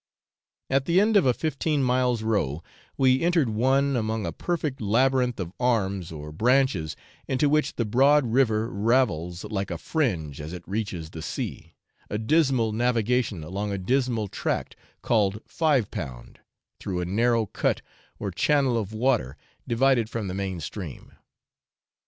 At the end of a fifteen miles' row we entered one among a perfect labyrinth of arms or branches, into which the broad river ravels like a fringe as it reaches the sea, a dismal navigation along a dismal tract, called 'Five Pound,' through a narrow cut or channel of water divided from the main stream.